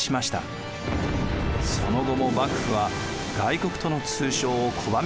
その後も幕府は外国との通商を拒み続けたのです。